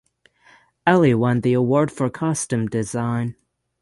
Alie won the award for costume design.